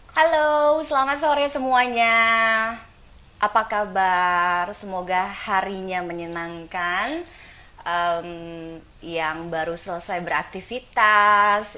halo selamat sore semuanya apa kabar semoga harinya menyenangkan yang baru selesai beraktivitas